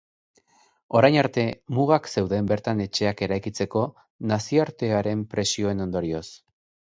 Orain arte, mugak zeuden bertan etxeak eraikitzeko, nazioartearen presioen ondorioz.